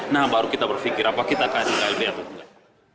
nah baru kita berpikir apakah kita akan klb atau enggak